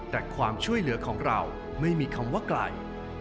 แต่ความช่วยเหลือของเราไม่มีคำว่าไกล